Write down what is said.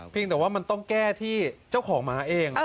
แต่ว่ามันต้องแก้ที่เจ้าของหมาเอง